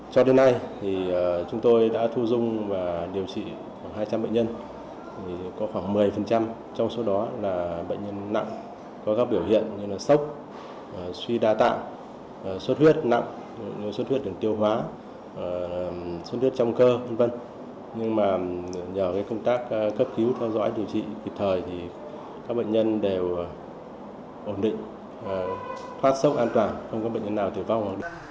nhờ công tác cấp cứu theo dõi điều trị kịp thời thì các bệnh nhân đều ổn định thoát sốc an toàn không có bệnh nhân nào tử vong